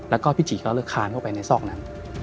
แล้วก็พี่จีก็เลยคานเข้าไปในซอกนั้น